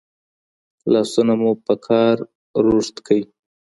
لاسونه مو په کار روږدي کړئ.